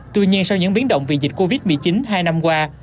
tuy nhiên sau những biến động vì dịch covid một mươi chín hai năm qua